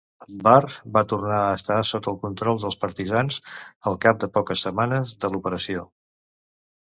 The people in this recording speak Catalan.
Drvar va tornar a estar sota control dels partisans al cap de poques setmanes de l'operació.